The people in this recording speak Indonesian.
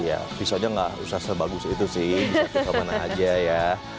iya pisaunya nggak usah sebagus itu sih bisa pisau mana aja ya